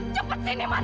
cepet sini mas